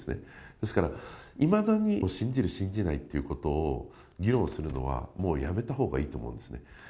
ですから、いまだに信じる、信じないということを議論するのは、もうやめたほうがいいと思うんですね。